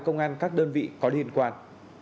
công an các đơn vị có liên quan